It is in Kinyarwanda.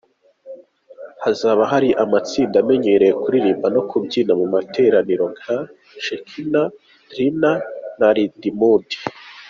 Hazaba hari amatsinda amenyerewe kuririmba no kubyina mu matorero nka Shekinah Dirama na Ridimudi.